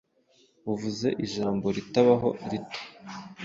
uvuze ijambo ritabaho.rito